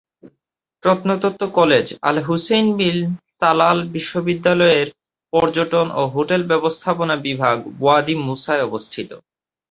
প্রত্নতত্ত্ব college, Al Hussein bin Talal বিশ্ববিদ্যালয়ের পর্যটন ও হোটেল ব্যবস্থাপনা বিভাগ ওয়াদি মুসায় অবস্থিত।